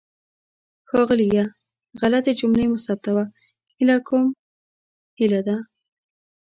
ښاغلیه! غلطې جملې مه ثبتوه. هیله کوم هیله ده.